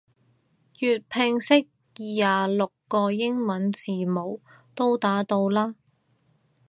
粵拼識廿六個英文字母都打到啦